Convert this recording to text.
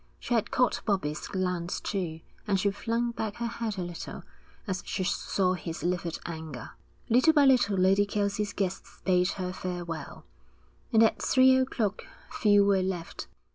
She had caught Bobbie's glance, too, and she flung back her head a little as she saw his livid anger. Little by little Lady Kelsey's guests bade her farewell, and at three o'clock few were left.